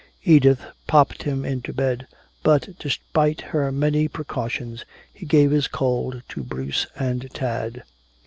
Edith popped him into bed, but despite her many precautions he gave his cold to Bruce and Tad.